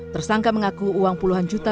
tersangka mengaku uang puluhan juta